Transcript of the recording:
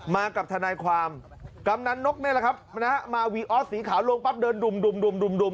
มากับทนายความกำนันนกนี่แหละครับนะฮะมาวีออสสีขาวลงปั๊บเดินดุ่ม